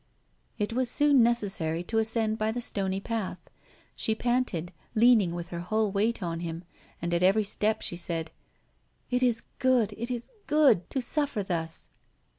It was soon necessary to ascend by the stony path. She panted, leaning with her whole weight on him, and at every step she said: "It is good, it is good, to suffer thus!"